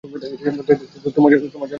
তোমার জন্য ভালোই, বব।